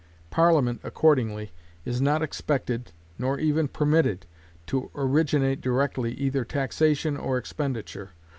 Parliament, accordingly, is not expected, nor even permitted, to originate directly either taxation or expenditure.